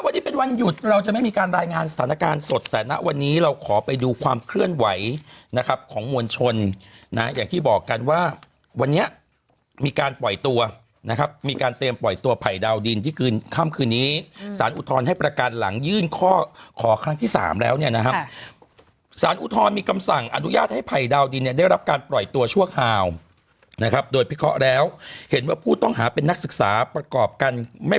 วันนี้เป็นวันหยุดเราจะไม่มีการรายงานสถานการณ์สดแต่นะวันนี้เราขอไปดูความเคลื่อนไหวนะครับของมวลชนนะอย่างที่บอกกันว่าวันนี้มีการปล่อยตัวนะครับมีการเตรียมปล่อยตัวภัยดาวดินที่คืนข้ามคืนนี้สารอุทธรณ์ให้ประกันหลังยื่นข้อครั้งที่๓แล้วเนี่ยนะครับสารอุทธรณ์มีกำสั่งอนุญาตให้ภัยดาวดินเนี่